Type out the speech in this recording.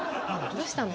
どうしたの？